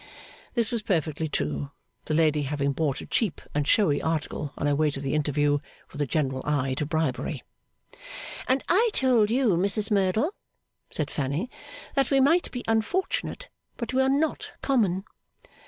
(This was perfectly true, the lady having bought a cheap and showy article on her way to the interview, with a general eye to bribery.) 'And I told you, Mrs Merdle,' said Fanny, 'that we might be unfortunate, but we are not common.